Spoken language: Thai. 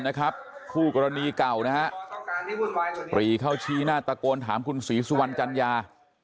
คู่กรณีเก่านะฮะปรีเข้าชี้หน้าตะโกนถามคุณศรีสุวรรณจัญญา